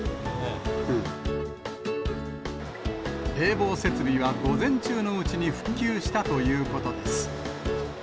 冷房設備は午前中のうちに復旧したということです。